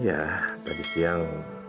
ya tadi siang